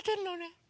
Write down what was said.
うん。